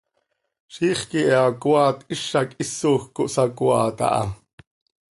Ziix quih he hacoaat hizac hisoj cohsacoaat aha.